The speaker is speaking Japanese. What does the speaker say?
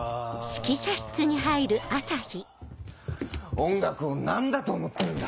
音楽を何だと思ってるんだ！